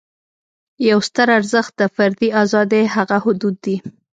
یو ستر ارزښت د فردي آزادۍ هغه حدود دي.